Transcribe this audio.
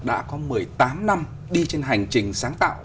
đã có một mươi tám năm đi trên hành trình sáng tạo